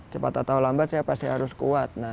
cepat atau lambat saya pasti harus kuat